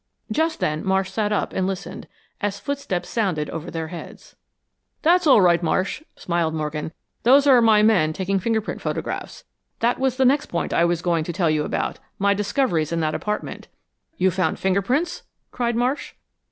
Just then Marsh sat up and listened, as footsteps sounded over their heads. "That's all right, Marsh," smiled Morgan. "Those are my men taking fingerprint photographs. That was the next point I was going to tell you about my discoveries in that apartment." "You found fingerprints?" cried Marsh.